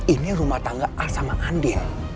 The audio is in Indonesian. ini rumah tangga al sama andi